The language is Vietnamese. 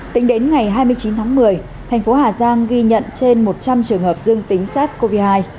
tính đến ngày hai mươi chín tháng một mươi thành phố hà giang ghi nhận trên một trăm linh trường hợp dương tính sars cov hai